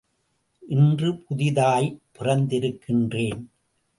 இன்று புதிதாய் பிறந்திருக்கின்றேன்.